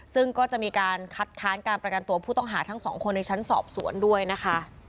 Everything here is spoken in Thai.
ซึ่งก็จะมีการคัดค้านการประกันตัวผู้ต้องหาทั้งสองคนในชั้นสอบสวนด้วยนะคะ